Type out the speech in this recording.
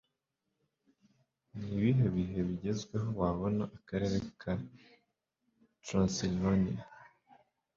Ni ibihe bihe bigezweho Wabona Akarere ka Transylvania?